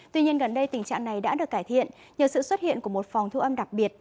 tuy nhiên gần đây tình trạng này đã được cải thiện nhờ sự xuất hiện của một phòng thu âm đặc biệt